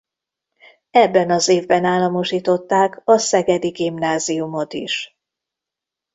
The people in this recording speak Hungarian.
Ebben az évben államosították a szegedi gimnáziumot is.